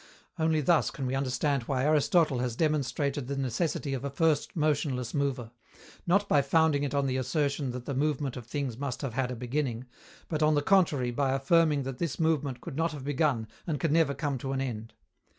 Only thus can we understand why Aristotle has demonstrated the necessity of a first motionless mover, not by founding it on the assertion that the movement of things must have had a beginning, but, on the contrary, by affirming that this movement could not have begun and can never come to an end.